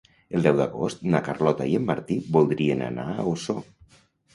El deu d'agost na Carlota i en Martí voldrien anar a Osor.